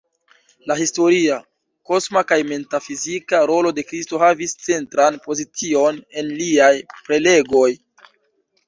La historia, kosma kaj metafizika rolo de Kristo havis centran pozicion en liaj prelegoj.